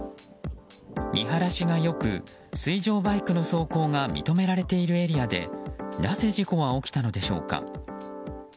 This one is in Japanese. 見晴らしが良く水上バイクの走行が認められているエリアでなぜ事故は起きたのでしょうか。